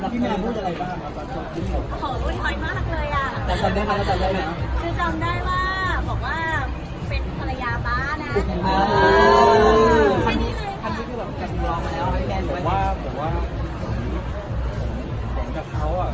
พี่แมนพูดอะไรบ้าง